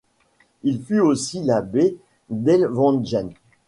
Il fut aussi abbé d’Ellwangen.